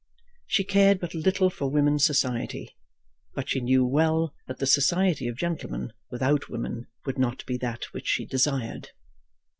She cared but little for women's society; but she knew well that the society of gentlemen without women would not be that which she desired.